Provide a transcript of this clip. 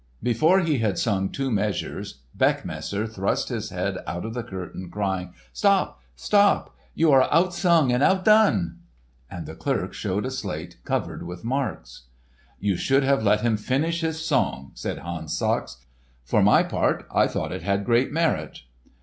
Before he had sung two measures, Beckmesser thrust his head out of the curtain crying, "Stop, stop! you are outsung and outdone!" And the clerk showed a slate covered with marks. "You should have let him finish his song," said Hans Sachs. "For my part, I thought it had great merit."